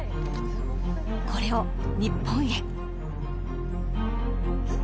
これを日本へ。